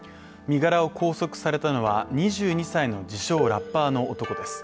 身柄を拘束されたのは２２歳の自称・ラッパーの男です。